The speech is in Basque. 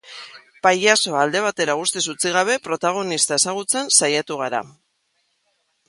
Pailazoa alde batera guztiz utzi gabe, protagonista ezagutzen saiatu gara.